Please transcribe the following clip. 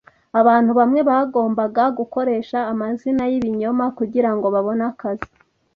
Abantu bamwe bagombaga gukoresha amazina y'ibinyoma kugirango babone akazi.